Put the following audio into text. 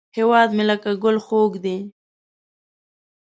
هیواد مې لکه ګل خوږ دی